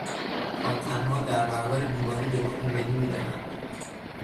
پادتنها در برابر بیماری به ما ایمنی میدهند.